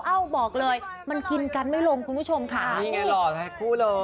บอกเลยมันกินกันไม่ลงคุณผู้ชมค่ะนี่ไงหล่อทั้งคู่เลย